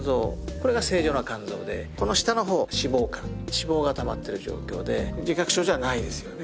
これが正常な肝臓でこの下の方脂肪肝脂肪がたまってる状況で自覚症状はないですよね。